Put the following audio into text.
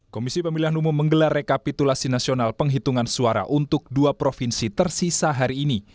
komisi pemilihan umum menggelar rekapitulasi nasional penghitungan suara untuk dua provinsi tersisa hari ini